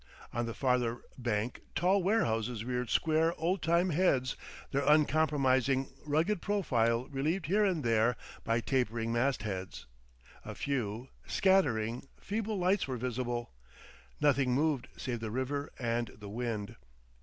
On the farther bank tall warehouses reared square old time heads, their uncompromising, rugged profile relieved here and there by tapering mastheads. A few, scattering, feeble lights were visible. Nothing moved save the river and the wind.